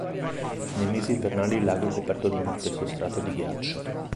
Nei mesi invernali il lago è coperto da uno spesso strato di ghiaccio